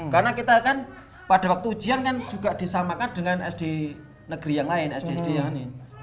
karena kita kan pada waktu ujian kan juga disamakan dengan sd negeri yang lain sd sd yang lain